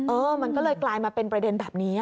เออมันก็เลยกลายมาเป็นประเด็นแบบนี้